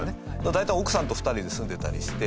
大体奥さんと２人で住んでたりして。